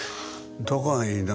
どこがいいの？」